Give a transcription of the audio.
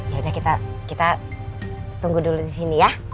ya udah kita tunggu dulu disini ya